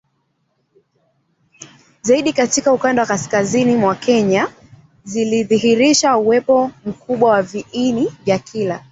zaidi katika ukanda wa kaskazini mwa Kenya zilidhihirisha uwepo mkubwa wa viini vya kila